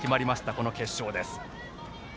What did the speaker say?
この決勝です。